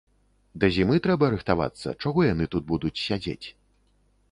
Да зімы трэба рыхтавацца, чаго яны тут будуць сядзець?